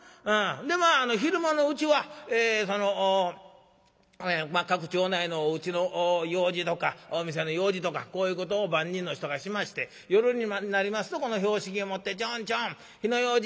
で昼間のうちはその各町内のおうちの用事とかお店の用事とかこういうことを番人の人がしまして夜になりますとこの拍子木を持ってチョンチョン火の用心